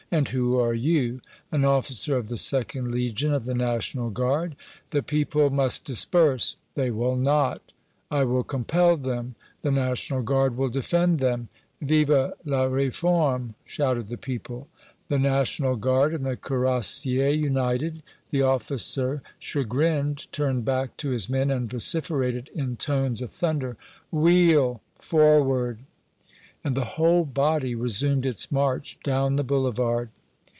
"And who are you?" "An officer of the 2d Legion of the National Guard." "The people must disperse!" "They will not!" "I will compel them!" "The National Guard will defend them!" "Vive la Réforme!" shouted the people. The National Guard and the cuirassiers united. The officer, chagrined, turned back to his men and vociferated in tones of thunder: "Wheel! Forward!" And the whole body resumed its march down the Boulevard.